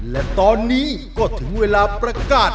และตอนนี้ก็ถึงเวลาประกาศ